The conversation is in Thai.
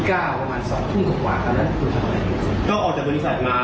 แล้วก็ได้ยินเสียงใครเล่นแล้วก็พักแฟนไปโทรมาว่า